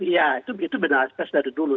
ya itu benar pers dari dulu